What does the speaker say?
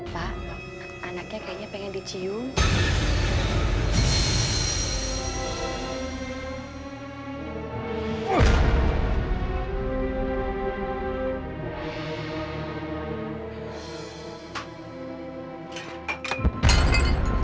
pak anaknya kayaknya pengen dicium